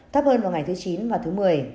thấp hơn vào ngày thứ chín và thứ một mươi